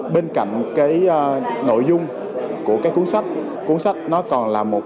bên cạnh cái nội dung của cái cuốn sách cuốn sách nó còn là một